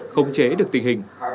khống chế được tình hình